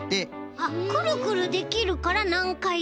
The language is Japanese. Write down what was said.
あっくるくるできるからなんかいでも。